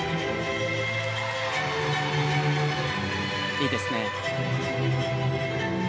いいですね。